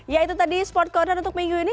ya itu tadi sport corner untuk minggu ini